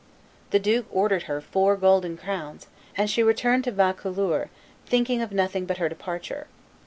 The duke ordered her four golden crowns, and she returned to Vaucouleurs, thinking of nothing but her departure.